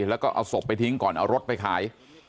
แล้วก็เอาศพไปทิ้งก่อนเอารถไปขาย